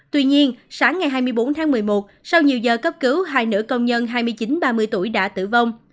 tuy nhiên sáng ngày hai mươi bốn tháng một mươi một sau nhiều giờ cấp cứu hai nữ công nhân hai mươi chín ba mươi tuổi đã tử vong